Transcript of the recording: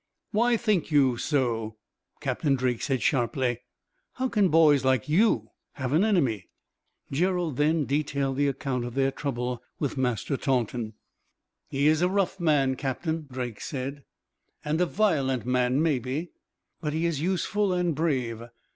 "Why think you so?" Captain Drake said sharply. "How can boys like you have an enemy?" Gerald then detailed the account of their trouble with Master Taunton. "He is a rough man," Captain Drake said, "and a violent man, maybe, but he is useful and brave.